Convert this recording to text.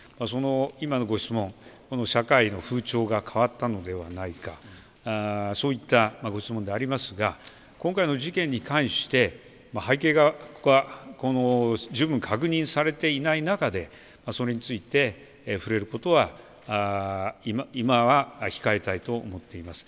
今のご質問、社会の風潮が変わったのではないかそういったご質問ではありますが今回の事件に関して背景が十分確認されていない中でそれについて触れることは今は控えたいと思っています。